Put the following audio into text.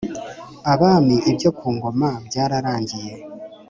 Abami ibyo ku ngoma byararangiye